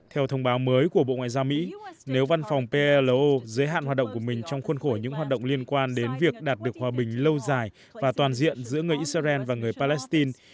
theo thông báo mới của bộ ngoại giao mỹ nếu văn phòng plo giới hạn hoạt động của mình trong khuôn khổ những hoạt động liên quan đến việc đạt được hòa bình lâu dài và toàn diện giữa người israel và người palestine